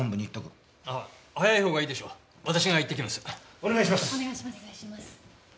お願いします。